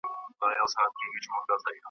شور به سي پورته له ګل غونډیو .